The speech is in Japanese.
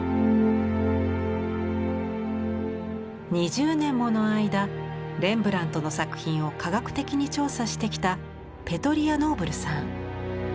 ２０年もの間レンブラントの作品を科学的に調査してきたペトリア・ノーブルさん。